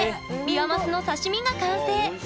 ビワマスの刺身が完成。